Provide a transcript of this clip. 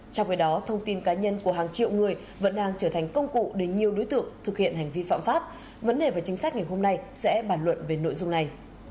trong khi đó thông tin cá nhân của hàng triệu người vẫn đang trở thành công cụ để nhiều đối tượng thực hiện hành vi phạm pháp vấn đề và chính sách ngày hôm nay sẽ bàn luận về nội dung này